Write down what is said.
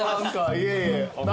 いえいえ。